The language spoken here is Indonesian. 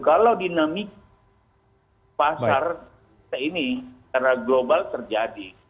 kalau dinamik pasar ini secara global terjadi